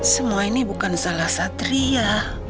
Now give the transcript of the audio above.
semua ini bukan salah satria